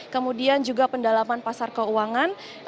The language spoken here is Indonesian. kemudian juga pendalaman pasar keuangan